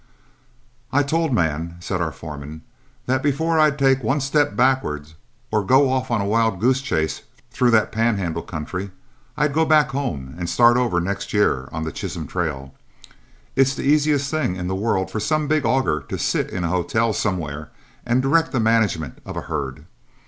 "I told Mann," said our foreman, "that before I'd take one step backward, or go off on a wild goose chase through that Pan handle country, I'd go back home and start over next year on the Chisholm trail. It's the easiest thing in the world for some big auger to sit in a hotel somewhere and direct the management of a herd.